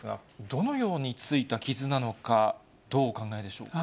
どのように付いた傷なのか、どうお考えでしょうか。